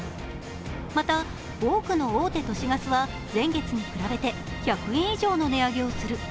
また多くの大手都市ガスは前月に比べて１００円以上の値上げをする。